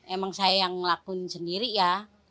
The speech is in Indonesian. emang saya yang ngelakuin sendiri ya